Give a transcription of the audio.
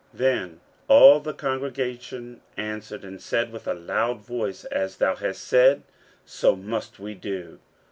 15:010:012 Then all the congregation answered and said with a loud voice, As thou hast said, so must we do.